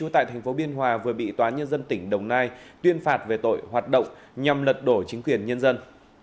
tại thành phố biên hòa vừa bị tòa nhân dân tỉnh đồng nai tuyên phạt về tội hoạt động nhằm lật đổ chính quyền nhân dân